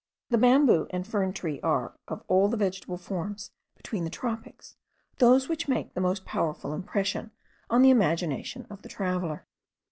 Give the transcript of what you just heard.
The bamboo and fern tree are, of all the vegetable forms between the tropics, those which make the most powerful impression on the imagination of the traveller.